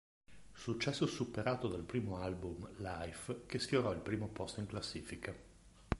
Successo superato dal primo album "Life" che sfiorò il primo posto in classifica.